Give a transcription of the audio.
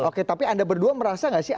oke tapi anda berdua merasa nggak sih